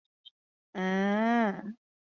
彼得曼冰川是格陵兰岛上的一个冰川。